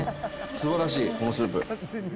すばらしい、このスープ。